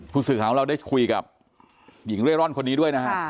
สื่อของเราได้คุยกับหญิงเร่ร่อนคนนี้ด้วยนะฮะ